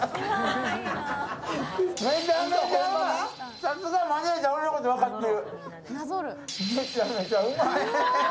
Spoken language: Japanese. さすがマネージャー、俺のこと分かってる。